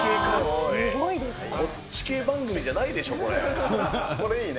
こっち系番組じゃないでしょ、これ、いいね。